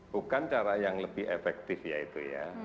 bukan cara yang lebih efektif ya itu ya